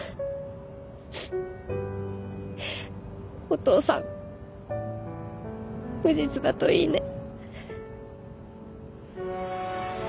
お父さん無実だといいね。